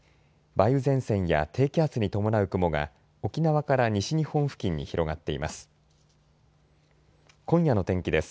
梅雨前線や低気圧に伴う雲が沖縄から西日本付近に広がっています。